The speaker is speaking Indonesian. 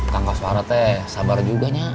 kang koswarap sabar juga